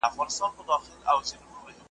یوه مور ده په دونیا کې چې زړګی پرې راټولیږي